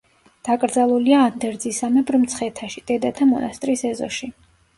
დაკრძალულია ანდერძისამებრ მცხეთაში, დედათა მონასტრის ეზოში.